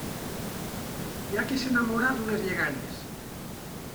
Hi ha qui s'enamora d'unes lleganyes.